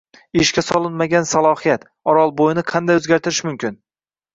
Ishga solinmagan salohiyat: Orolboʻyini qanday oʻzgartirish mumkin?